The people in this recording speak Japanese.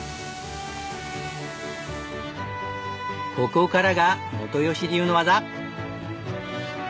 ここからが元吉流の技！